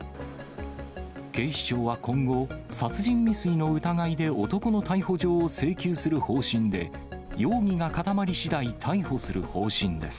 警視庁は今後、殺人未遂の疑いで男の逮捕状を請求する方針で、容疑が固まりしだい、逮捕する方針です。